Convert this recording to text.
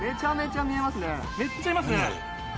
めっちゃいますね。